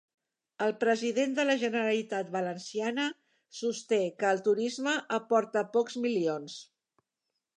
El president de la Generalitat Valenciana sosté que el turisme aporta pocs milions